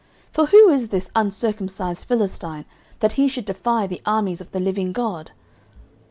for who is this uncircumcised Philistine, that he should defy the armies of the living God?